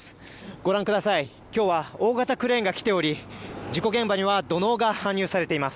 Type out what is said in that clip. ご覧ください、今日は大型クレーンが来ており事故現場には土のうが搬入されています。